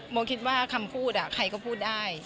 โมคิดว่าคำพูดใครก็พูดได้